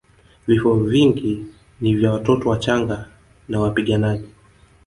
Vifo vingi ni vya watoto wachanga na wapiganaji